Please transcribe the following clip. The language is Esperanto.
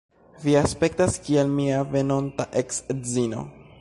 Vi aspektas kiel mia venonta eks-edzino.